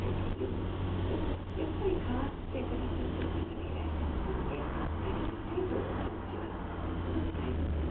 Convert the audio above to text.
でもやっぱり代わって下さってる方がいらっしゃるという意味でありがたいと思う気持ちはとっても大切だと思うんです。